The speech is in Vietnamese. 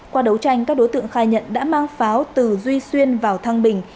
qua đấu tranh các đối tượng khai nhận đã mang pháo từ duy xuyên vào thăng bình